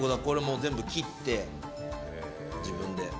これも全部切って自分で。